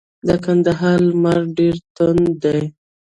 د کندهار لمر ډیر توند دی.